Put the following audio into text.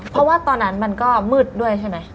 เพราะว่าตอนนั้นมันก็มืดด้วยใช่ไหม